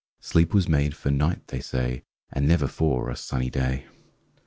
Sleep was made for night, they say. And never for a sunny day!